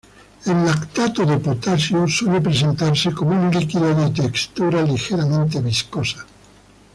El lactato de potasio suele presentarse como un líquido de textura ligeramente viscosa.